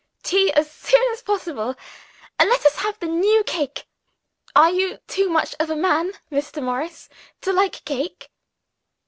"Tea, as soon as possible and let us have the new cake. Are you too much of a man, Mr. Morris, to like cake?"